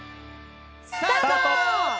スタート！